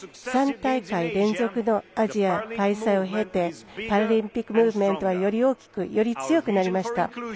３大会連続のアジア開催を経てパラリンピックムーブメントはより大きく、より強くなりました。